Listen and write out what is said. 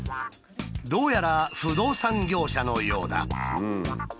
どうやら不動産業者のようだ。